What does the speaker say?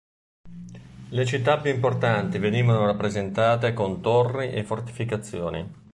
Le città più importanti venivano rappresentate con torri e fortificazioni.